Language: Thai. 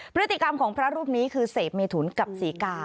พฤติกรรมของพระรูปนี้คือเสพเมถุนกับศรีกา